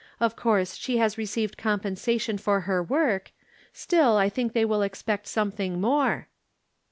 Of course she has received compensation for her work ; still I. think they will expect something more."